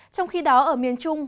trong khi đó ở miền trung